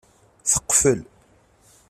Teqfel.